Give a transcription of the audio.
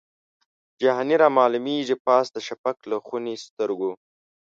جهاني رامعلومیږي پاس د شفق له خوني سترګو